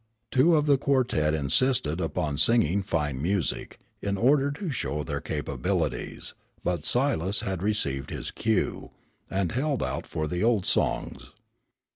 Two of the quartet insisted upon singing fine music, in order to show their capabilities, but Silas had received his cue, and held out for the old songs.